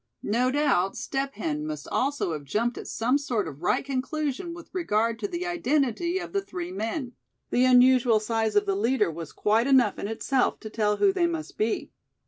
No doubt Step Hen must also have jumped at some sort of right conclusion with regard to the identity of the three men. The unusual size of the leader was quite enough in itself to tell who they must be.